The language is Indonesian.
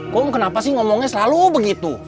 kom kenapa sih ngomongnya selalu begitu